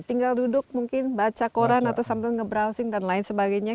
tinggal duduk mungkin baca koran atau sambil nge browsing dan lain sebagainya